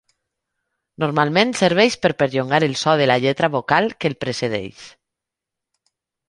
Normalment serveix per perllongar el so de la lletra vocal que el precedeix.